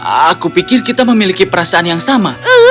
aku pikir kita memiliki perasaan yang sama